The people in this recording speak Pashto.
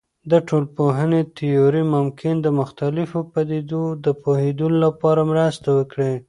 د ټولنپوهنې تیورۍ ممکن د مختلفو پدیدو د پوهیدو لپاره مرسته وکړي.